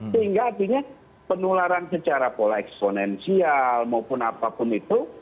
sehingga artinya penularan secara pola eksponensial maupun apapun itu